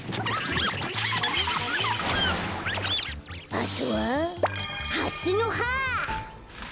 あとはハスのは！